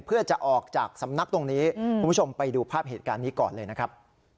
เพื่อจะออกจากสำนักตรงนี้คุณผู้ชมไปดูภาพเหตุการณ์นี้ก่อนเลยนะครับ